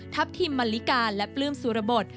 ทัพทิมมันลิการ์และปลื้มสุรบท